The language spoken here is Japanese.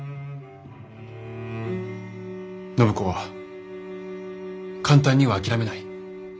暢子は簡単には諦めない。